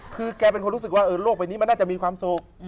คือแกเป็นคนรู้สึกว่าโลกใบนี้มันน่าจะมีความสุข